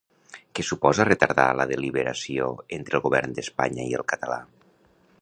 Què suposa retardar la deliberació entre el govern d'Espanya i el català?